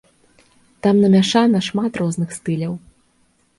Там намяшана шмат розных стыляў.